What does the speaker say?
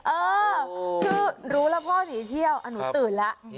เออรู้แล้วพ่อหนีเที่ยวอ่ะหนูตื่นละ